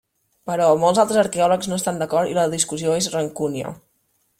Però molts altres arqueòlegs no estan d'acord i la discussió és rancúnia.